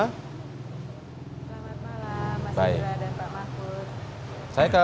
selamat malam mas indra dan pak mahfud